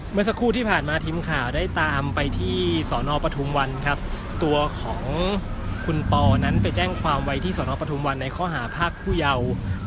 เมื่อสักครู่ที่ผ่านมาทีมข่าวได้ตามไปที่สอนอปทุมวันครับตัวของคุณปอนั้นไปแจ้งความไว้ที่สนปทุมวันในข้อหาภาคผู้เยาว์